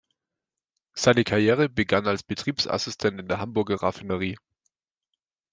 Seine Karriere begann als Betriebsassistent in der Hamburger Raffinerie.